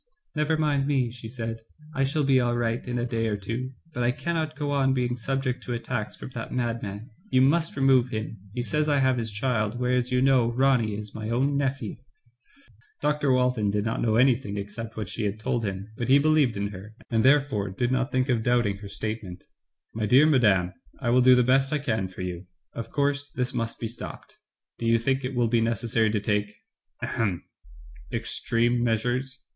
"Never mind me," she said, "I shall be all right in a day or two ; but I cannot go on being subject to attacks from that madman, you must remove him ; he says I have his child, whereas you know Ronny is my own nephew.*' Dr. Walton did not know anything except what she had told him, but he believed in her, and therefore did not think of doubting her Digitized by Google JEAN MIDDLEMASS. 215 statement. ''My dear madame, I will do the best I can for you ; of course, this must be stopped. Do you think it will be necessary to take — ahem — extreme measures?